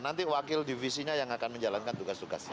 nanti wakil divisinya yang akan menjalankan tugas tugasnya